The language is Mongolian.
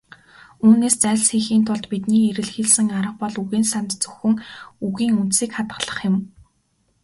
Үүнээс зайлсхийхийн тулд бидний эрэлхийлсэн арга бол үгийн санд зөвхөн "үгийн үндсийг хадгалах" юм.